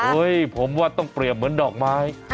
ผมว่าต้องเปรียบเหมือนดอกไม้